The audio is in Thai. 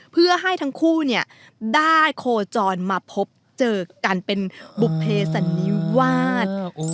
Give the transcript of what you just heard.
เพื่อให้ทั้งคู่ได้โคจรมาพบเจอกันเป็นบุภเพสันนิวาส